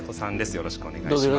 よろしくお願いします。